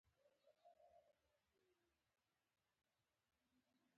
د غرونو منځ کې ځینې ټاپوګان جوړېږي.